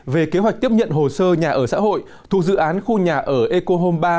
về kế hoạch tiếp nhận hồ sơ nhà ở xã hội thuộc dự án khu nhà ở eco home ba